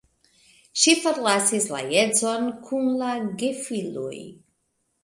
Ŝi forlasis la edzon kun la gefiloj.